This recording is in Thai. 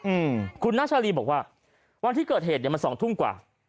อืมคุณนาชาลีบอกว่าวันที่เกิดเหตุเนี้ยมันสองทุ่มกว่า